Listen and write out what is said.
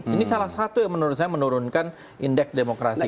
ini salah satu yang menurunkan indeks demokrasi kita